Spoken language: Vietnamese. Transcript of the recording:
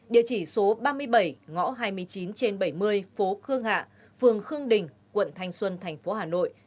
địa chỉ số ba mươi bảy ngõ hai mươi chín trên bảy mươi phố khương hạ phường khương đình quận thanh xuân thành phố hà nội